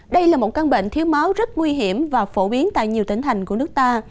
đây là một căn bệnh thiếu máu rất nguy hiểm và phổ biến tại nhiều tỉnh thành của nước ta